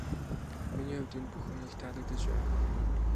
Миний хувьд энэ бүхэн их таалагдаж байна.